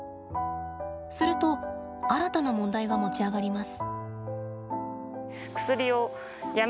すると新たな問題が持ち上がります。